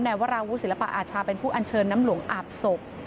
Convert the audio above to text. วราวุศิลปะอาชาเป็นผู้อัญเชิญน้ำหลวงอาบศพ